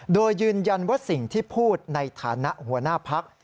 โดยยืนยันว่าสิ่งที่พูดในฐานะหัวหน้าพัก